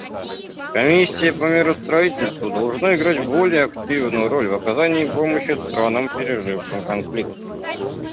Комиссия по миростроительству должна играть более активную роль в оказании помощи странам, пережившим конфликт.